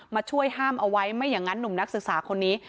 มาช่วยห้ามเอาไว้ไม่อย่างนั้นหนุ่มนักศึกษาคนนี้